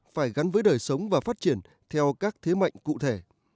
phải gắn với đời sống và phát triển theo các thế mạnh cụ thể